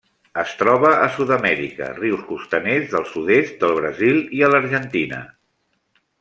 Es troba a Sud-amèrica: rius costaners del sud-est del Brasil i a l'Argentina.